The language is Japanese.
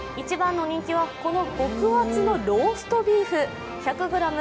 一番の人気はこの極厚のロストビーフ。